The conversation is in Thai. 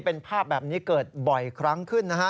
เป็นภาพแบบนี้เกิดบ่อยครั้งขึ้นนะฮะ